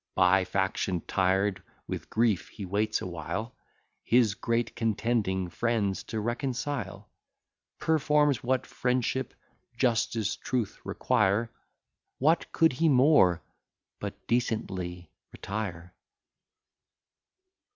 By faction tired, with grief he waits awhile, His great contending friends to reconcile; Performs what friendship, justice, truth require: What could he more, but decently retire?